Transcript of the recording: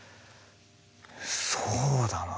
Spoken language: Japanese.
そうだな。